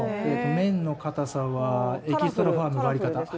麺の硬さはエキストラファーム、バリ硬。